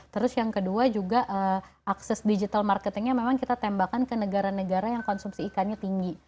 terus yang kedua juga akses digital marketingnya memang kita tembakan ke negara negara yang konsumsi ikannya tinggi